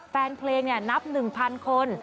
แฟนเพลงนับ๑๐๐คน